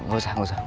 gak usah gak usah